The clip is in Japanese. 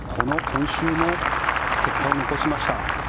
今週も結果を残しました。